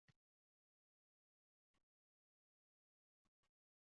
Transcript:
U meni asrab qolgan